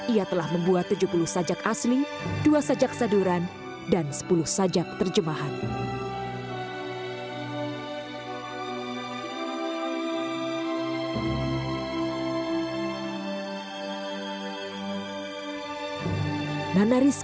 ia telah membuat tujuh puluh sajak asli dua sajak saduran dan sepuluh sajak terjemahan